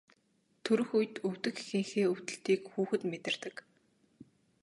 Төрөх үед өвдөх эхийнхээ өвдөлтийг хүүхэд мэдэрдэг.